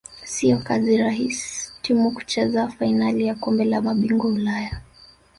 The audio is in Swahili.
siyo kazi rahis timu kucheza fainali ya kombe la mabingwa ulaya